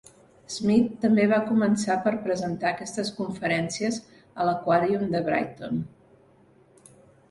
Smith també va començar per presentar aquestes conferències a l'Aquàrium de Brighton.